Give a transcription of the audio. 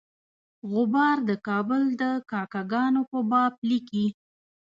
غبار د کابل د کاکه ګانو په باب لیکي.